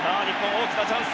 大きなチャンス。